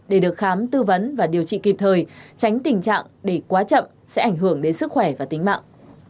để được khám tư vấn và điều trị kịp thời tránh tình trạng để quá chậm sẽ ảnh hưởng đến sức khỏe và tính mạng